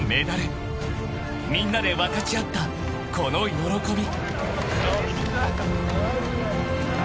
［みんなで分かち合ったこの喜び］